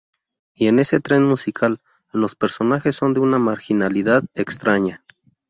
Y en ese tren musical los personajes son de una marginalidad extraña.